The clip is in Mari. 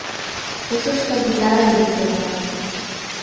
Ушышто гитара йӱк йоҥга.